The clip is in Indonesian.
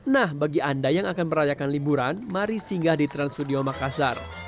nah bagi anda yang akan merayakan liburan mari singgah di trans studio makassar